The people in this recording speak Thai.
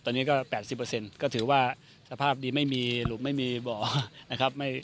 ตอนนี้ก็แปดสิบเปอร์เซ็นต์ก็ถือว่าสภาพดีไม่มีหลุมไม่มีบ่อนะครับ